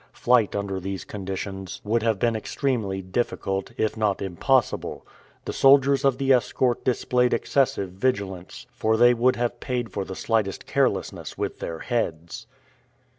Flight under these conditions would have been extremely difficult, if not impossible. The soldiers of the escort displayed excessive vigilance, for they would have paid for the slightest carelessness with their heads.